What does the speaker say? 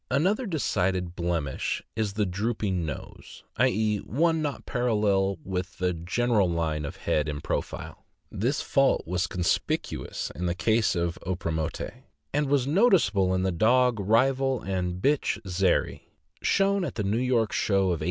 Another decided blemish is the drooping nose; i. e., one not parallel with the general line of head in profile. This fault is conspicuous in the case of Opromiote, and was noticeable in the dog Rival and bitch Zerry, shown at the New York show of 1890.